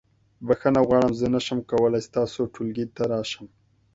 بخښنه غواړم زه نشم کولی ستاسو ټولګي ته راشم.